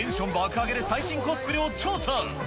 上げで最新コスプレを調査。